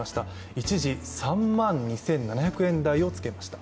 一時３万２７００円台をつけました。